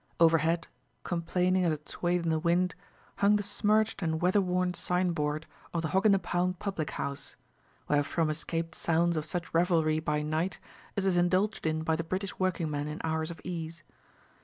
Overhead, complaining as it swayed in the wind, hung the smirched and weather worn sign board of the Hog in the Pound public house; wherefrom escaped sounds of such revelry by night as is indulged in by the British working man in hours of ease.